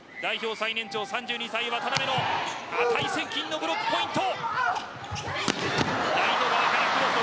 最年長、渡邊の値千金のブロックポイント。